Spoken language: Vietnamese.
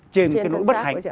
trên cái nỗi bất hạnh